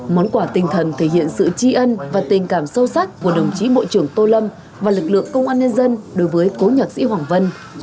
món quà tinh thần thể hiện sự tri ân và tình cảm sâu sắc của đồng chí bộ trưởng tô lâm và lực lượng công an nhân dân đối với cố nhạc sĩ hoàng vân